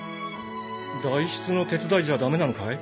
代筆の手伝いじゃダメなのかい？